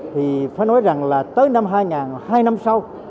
thì phải nói rằng là tới năm hai nghìn hai năm sau